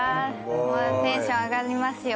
もうテンション上がりますよ